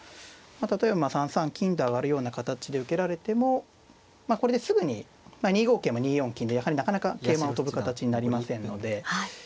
例えば３三金と上がるような形で受けられてもこれですぐに２五桂も２四金でやはりなかなか桂馬を跳ぶ形になりませんので。